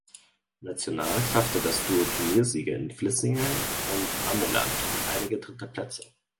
National schaffte das Duo Turniersiege in Vlissingen und Ameland und einige dritte Plätze.